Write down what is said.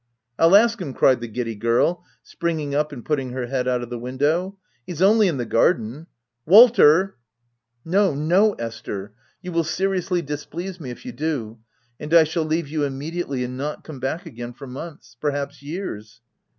" I'll ask him," cried the giddy girl, spring ing up and putting her head out of the window ;" he's only in the garden — Walter !"" No, no, Esther ! you will seriously dis please me if you do ; and I shall leave you im mediately, and not come again for months — perhaps years."